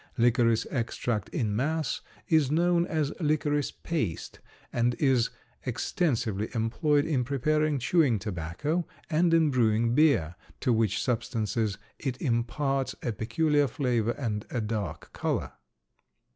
Licorice extract in mass is known as licorice paste and is extensively employed in preparing chewing tobacco and in brewing beer, to which substances it imparts a peculiar flavor and a dark color.